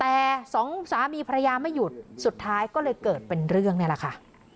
แต่สองสามีภรรยาไม่หยุดสุดท้ายก็เลยเกิดเป็นเรื่องนี่แหละค่ะ